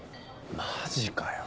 マジかよ。